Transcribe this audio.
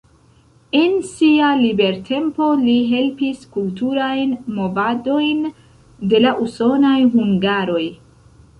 En sia libertempo li helpis kulturajn movadojn de la usonaj hungaroj.